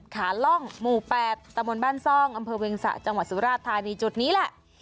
ขาล่องหมู่๘ตะบนบ้านซ่องอำเภอเวงสะจังหวัดสุราชธานีจุดนี้แหละ